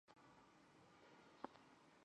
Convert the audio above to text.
游戏复杂度可以用许多方法加以衡量。